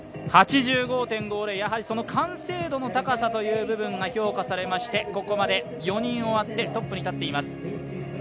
８５．５０、やはり完成度の高さが評価されまして、ここまで４人終わって、トップに立っています。